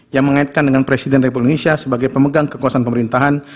yang mengaitkan dengan presiden republik indonesia sebagai pemegang kekuasaan pemerintahan